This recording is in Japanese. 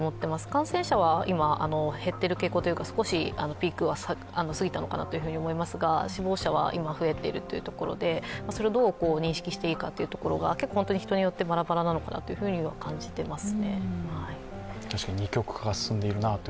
感染者は今、減っている傾向というか、少しピークは過ぎたのかなと思いますが死亡者は今増えているというところで、それをどう認識していいのか結構本当に人によってばらばらなのかなと感じています。